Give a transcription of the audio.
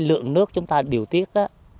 lượng nước chúng ta điều tiết